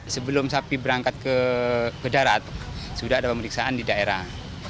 sebelum sapi berangkat ke darat sudah ada pemeriksaan di daerah